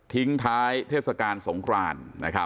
ทิ้งท้ายเทศกาลสงคราน